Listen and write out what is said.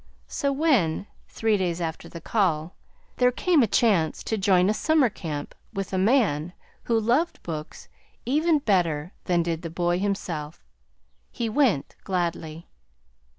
So when, three days after the call, there came a chance to join a summer camp with a man who loved books even better than did the boy himself, he went gladly.